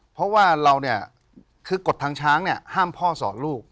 เพราะว่าเราเนี่ยคือกฎทางช้างเนี่ยห้ามพ่อสอนลูก